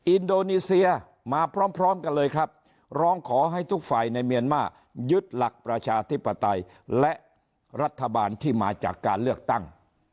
อินโดนีเซียมาพร้อมกันเลยครับร้องขอให้ทุกฝ่ายในเมียนมายึดหลักประชาธิปไตยและรัฐบาลที่มาจากการเลือกตั้ง